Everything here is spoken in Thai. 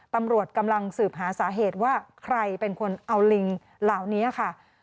ตำรวจกำลังสืบหาสาเหตุว่าใครเป็นคนเอาลิงเหล่านี้ค่ะ